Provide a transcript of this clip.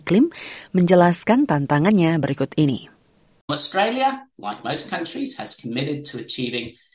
kemudian saya juga menjelajahkan